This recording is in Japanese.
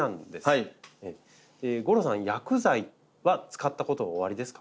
吾郎さん薬剤は使ったことおありですか？